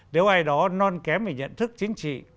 nếu ai đó non kém về nhận thức chính trị